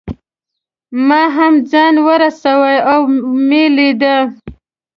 ما هم ځان ورساوه او مې لیده.